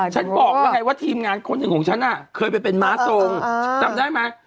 ฉันบอกว่าไงว่าทีมงานคนหนึ่งของฉันเคยไปเป็นม้าทรงจำได้ไหม